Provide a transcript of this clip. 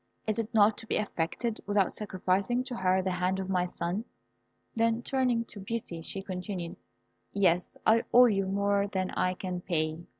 Is it not to be effected without sacrificing to her the hand of my son?" Then turning to Beauty, she continued, "Yes, I owe you more than I can pay.